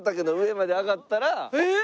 えっ！